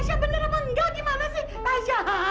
tasya bener apa enggak gimana sih tasya